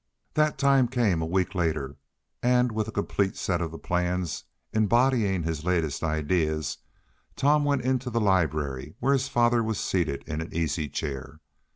That time came a week later, and with a complete set of the plans, embodying his latest ideas, Tom went into the library where his father was seated in an easy chair.